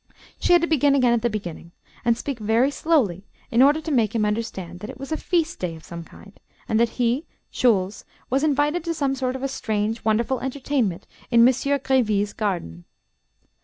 She had to begin again at the beginning, and speak very slowly, in order to make him understand that it was a feast day of some kind, and that he, Jules, was invited to some sort of a strange, wonderful entertainment in Monsieur Gréville's garden.